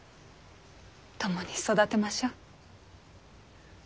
共に育てましょう。